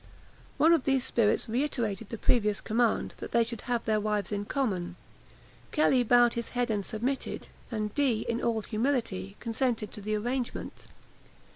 One of these spirits reiterated the previous command, that they should have their wives in common. Kelly bowed his head and submitted; and Dee, in all humility, consented to the arrangement.